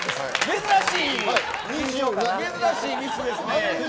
珍しいミスですね。